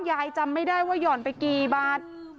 จำไม่ได้ว่าห่อนไปกี่บาท